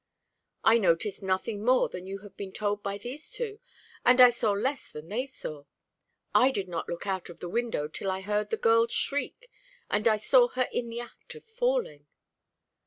"I noticed nothing more than you have been told by these two, and I saw less than they saw. I did not look out of the window till I heard the girl's shriek, and I saw her in the act of falling."